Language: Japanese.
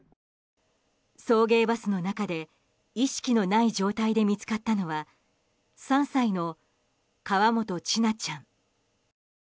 送迎バスの中で意識のない状態で見つかったのは３歳の河本千奈ちゃん。